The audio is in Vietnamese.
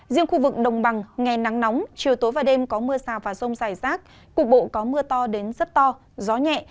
riêng khu vực đồng bằng ngày nắng nóng chiều tối và đêm có mưa rào và rông dài rác cục bộ có mưa to đến rất to gió nhẹ